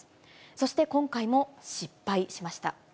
そして今回も失敗しました。